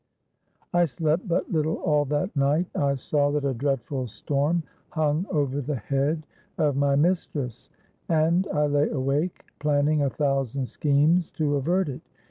"I slept but little all that night. I saw that a dreadful storm hung over the head of my mistress; and I lay awake, planning a thousand schemes to avert it.